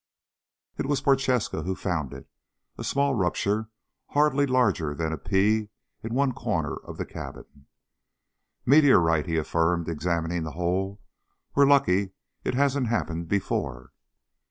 It was Prochaska who found it a small rupture hardly larger than a pea in one corner of the cabin. "Meteorite," he affirmed, examining the hole. "We're lucky it hasn't happened before."